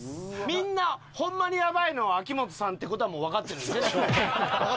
みんなホンマにやばいのは秋元さんって事はもうわかってるんですね？